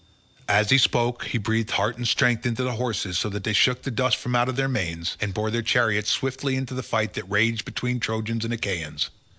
As he spoke he breathed heart and strength into the horses so that they shook the dust from out of their manes, and bore their chariot swiftly into the fight that raged between Trojans and Achaeans.